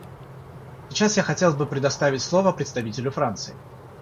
Сейчас я хотел бы предоставить слово представителю Франции.